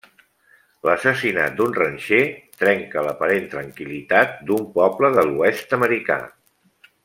L'assassinat d'un ranxer trenca l'aparent tranquil·litat d'un poble de l'oest americà.